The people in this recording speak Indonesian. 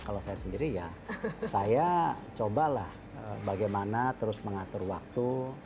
kalau saya sendiri ya saya cobalah bagaimana terus mengatur waktu